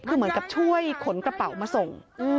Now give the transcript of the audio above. คือเหมือนกับช่วยขนกระเป๋ามาส่ง